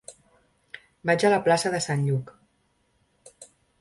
Vaig a la plaça de Sant Lluc.